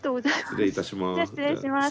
失礼いたします。